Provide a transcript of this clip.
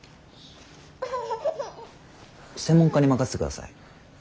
専門家に任せて下さい。